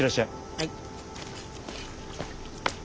はい。